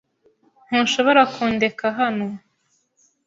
Ntushobora kundeka hano.